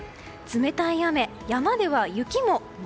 冷たい雨、山では雪も。